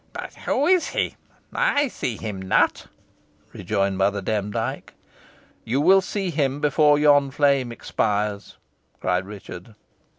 "But who is he? I see him not!" rejoined Mother Demdike. "You will see him before yon flame expires," said Richard.